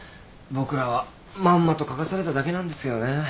僕らはまんまと書かされただけなんですけどね。